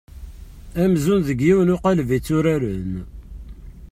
Amzun deg yiwen uqaleb i tturaren.